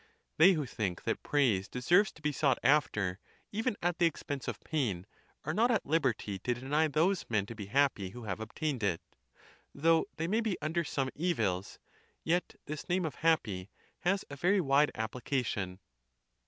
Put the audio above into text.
They who think that praise deserves to be sought after, even at the expense of pain, are not at liberty to deny those men to be happy who have obtained it. Though they may be under some evils, yet this name of happy has a very wide application.